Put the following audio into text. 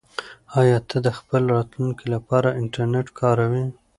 آیا ته د خپل راتلونکي لپاره انټرنیټ کاروې؟